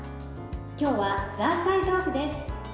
今日は、ザーサイ豆腐です。